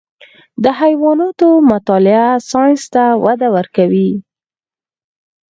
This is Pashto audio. د حیواناتو مطالعه ساینس ته وده ورکوي.